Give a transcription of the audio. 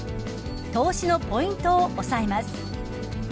投資のポイントを押さえます。